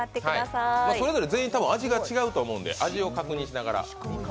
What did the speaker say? それぞれ、全員、多分味が違うと思うので味を確認しながら。